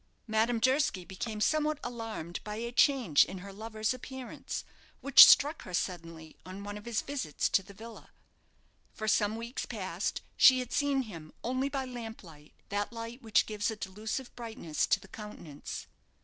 Madame Durski became somewhat alarmed by a change in her lover's appearance, which struck her suddenly on one of his visits to the villa. For some weeks past she had seen him only by lamplight that light which gives a delusive brightness to the countenance.